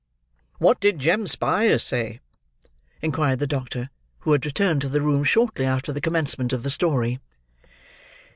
"What did Jem Spyers say?" inquired the doctor; who had returned to the room shortly after the commencement of the story.